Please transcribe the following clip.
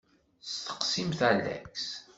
Steqsimt Alex.